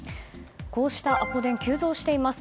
こうしたアポ電、急増しています。